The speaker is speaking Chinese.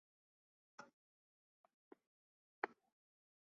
圣索尔夫。